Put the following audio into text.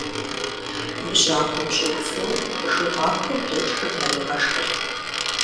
Бжьахъуэм щӀиху фор жумарту блэкӀхэм яригъэшхырт.